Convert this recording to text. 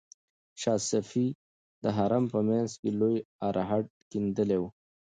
شاه صفي د حرم په منځ کې لوی ارهډ کیندلی و.